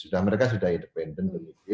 sudah mereka sudah independen